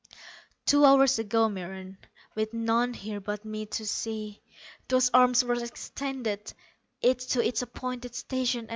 "Two hours ago, Meron, with none here but me to see, those arms were extended, each to its appointed station.